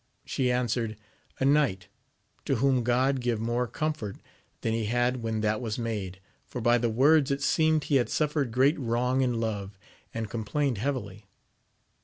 She answered, A knight, to whom God give more comfort than he had when that was made, for by the words it seemed he had suffered great wrong in love, and complained heavily.